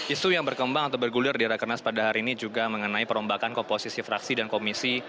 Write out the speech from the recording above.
isu yang berkembang atau bergulir di rakernas pada hari ini juga mengenai perombakan komposisi fraksi dan komisi